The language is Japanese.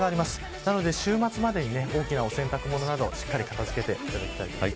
なので週末までに大きなお洗濯物などをしっかり片付けていただきたいです。